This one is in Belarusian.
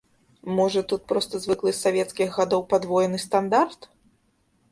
Можа тут проста звыклы з савецкіх гадоў падвоены стандарт?